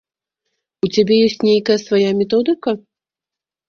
У цябе ёсць нейкая свая методыка?